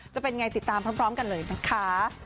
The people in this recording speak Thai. จะเป็นไงติดตามพร้อมกันเลยนะคะ